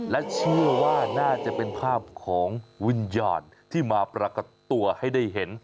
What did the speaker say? และเชื่อว่าน่าจะเป็นภาพของวิญญาณที่มาปรากฏตัวให้ได้เห็น